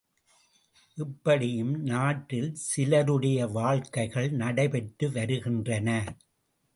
இப்படியும் நாட்டில் சிலருடைய வாழ்க்கைகள் நடைபெற்று வருகின்றன.